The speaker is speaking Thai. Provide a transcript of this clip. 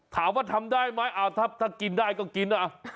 ถามว่าทำได้ไหมถ้ากินได้ก็กิน